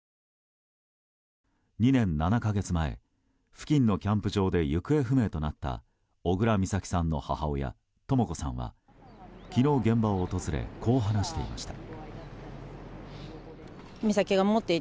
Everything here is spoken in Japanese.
２年７か月前、付近のキャンプ場で行方不明となった小倉美咲さんの母親とも子さんは昨日、現場を訪れこう話していました。